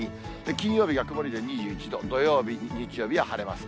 金曜日が曇りで２１度、土曜日、日曜日は晴れます。